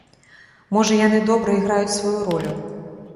Можа, яны добра іграюць сваю ролю.